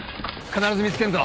必ず見つけんぞ。